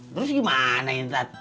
terus gimana intet